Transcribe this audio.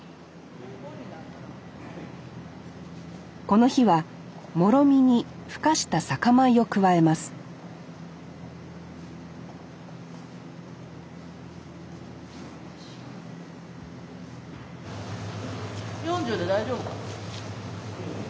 この日はもろみにふかした酒米を加えます４０で大丈夫かな？